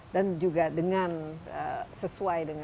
dan juga dengan sesuai dengan